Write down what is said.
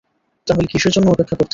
তাহলে কিসের জন্য অপেক্ষা করতেছো?